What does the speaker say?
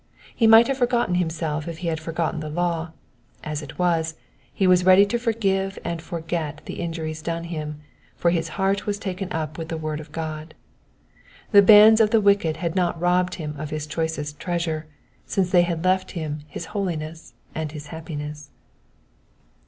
He might have forgotten himself if he had forgotten the law : as it was, he was ready to forgive and forget the injuries done him, for his heart was taken up with the word of God. The bands of the wicked had not robbed him of his choicest treasure, since they had left him his holiness and his happiness.